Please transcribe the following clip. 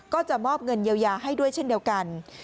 ก็จะมอบเงินเยียวยาให้ด้วยเช่นเดียวกัน